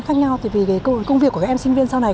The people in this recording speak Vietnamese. khác nhau thì vì công việc của các em sinh viên sau này